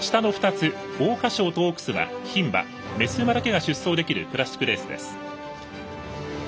桜花賞とオークスは牝馬、雌馬だけが出走できるクラシックレースです。